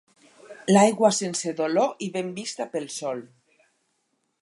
L'aigua sense dolor i ben vista pel sol.